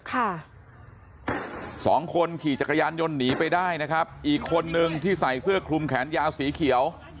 ค่ะสองคนขี่จักรยานยนต์หนีไปได้นะครับอีกคนนึงที่ใส่เสื้อคลุมแขนยาวสีเขียว